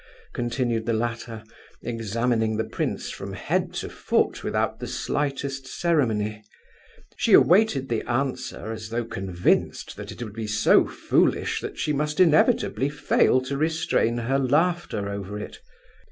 continued the latter, examining the prince from head to foot without the slightest ceremony. She awaited the answer as though convinced that it would be so foolish that she must inevitably fail to restrain her laughter over it.